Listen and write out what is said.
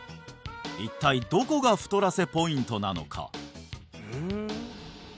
一体どこが太らせポイントなのか？